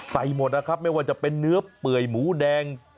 ใส่หมดนะครับไม่ว่าจะเป็นเนื้อเปื่อยหมูแดง